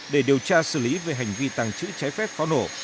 để điều tra xử lý về hành vi tàng trữ trái phép pháo nổ